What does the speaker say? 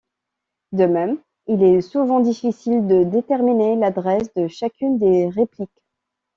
De même, il est souvent difficile de déterminer l'adresse de chacune des répliques.